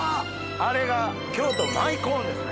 あれが京都舞コーンですね？